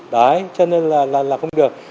đấy cho nên là không được